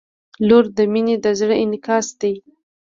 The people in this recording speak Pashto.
• لور د مینې د زړه انعکاس دی.